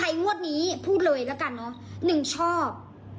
งวดนี้พูดเลยละกันเนอะหนึ่งชอบ